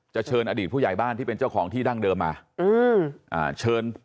เชิญอดีตผู้ใหญ่บ้านที่เป็นเจ้าของที่ดั้งเดิมมาอืมอ่าเชิญ